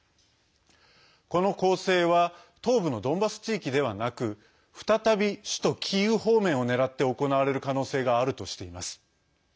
この攻勢は東部のドンバス地域ではなく再び、首都キーウ方面を狙って行われる可能性があるとしています。